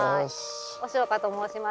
押岡と申します